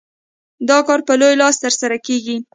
دا کار په لوی لاس ترسره کېږي.